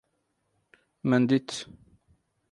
Min dît!